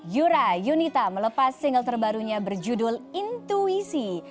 yura yunita melepas single terbarunya berjudul intuisi